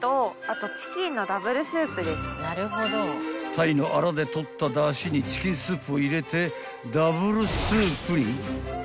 ［鯛のあらで取っただしにチキンスープを入れてダブルスープに］